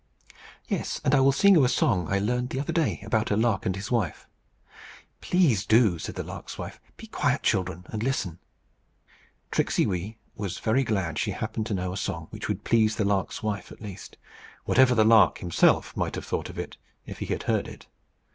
"Yes. And I will sing you a song I learned the other day about a lark and his wife." "Please do," said the lark's wife. "Be quiet, children, and listen." Tricksey Wee was very glad she happened to know a song which would please the lark's wife, at least, whatever the lark himself might have thought of it, if he had heard it.